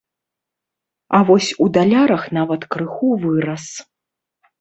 А вось у далярах нават крыху вырас.